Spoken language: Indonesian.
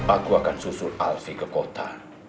aku akan susul alsi ke kota